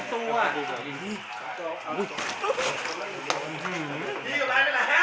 ๒ตัวใช่มะ